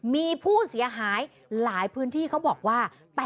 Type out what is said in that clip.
มีผู้เสียหายหลายพื้นที่เขาบอกว่า